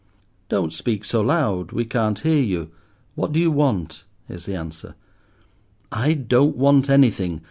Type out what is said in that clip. "Don't speak so loud, we can't hear you. What do you want?" is the answer. "I don't want anything.